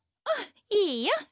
あっいいよ。